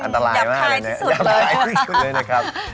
จูบพี่แท่งหยับคลายที่สุดเลยนะครับ